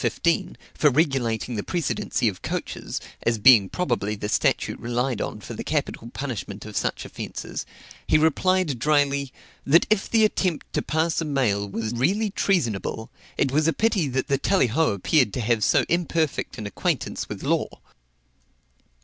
15, for regulating the precedency of coaches, as being probably the statute relied on for the capital punishment of such offences, he replied drily that if the attempt to pass a mail was really treasonable, it was a pity that the Tallyho appeared to have so imperfect an acquaintance with law.